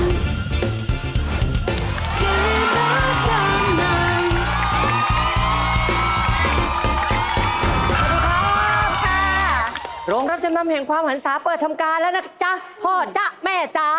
สวัสดีครับค่ะโรงรับจำนำแห่งความหันศาเปิดทำการแล้วนะจ๊ะพ่อจ๊ะแม่จ๋า